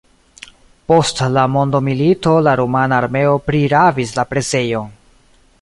Post la mondomilito la rumana armeo prirabis la presejon.